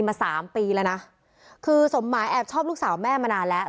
มาสามปีแล้วนะคือสมหมายแอบชอบลูกสาวแม่มานานแล้ว